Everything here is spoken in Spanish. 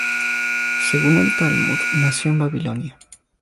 Según el Talmud, nació en Babilonia.